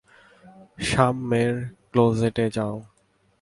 সামমের ক্লোজেটে যাও।